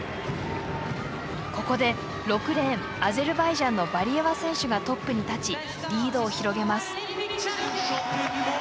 ここで６レーンアゼルバイジャンのバリイェワ選手がトップに立ちリードを広げます。